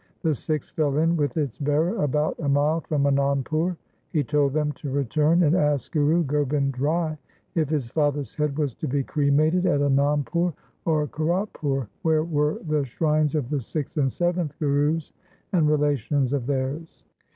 The Sikhs fell in with its bearer about a mile from Anandpur. He told them to return and ask Guru Gobind Rai if his father's head was to be cremated at Anandpur or Kiratpur where were the shrines of the sixth and seventh Gurus and relations of theirs.